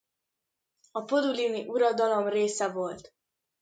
A podolini uradalom része volt.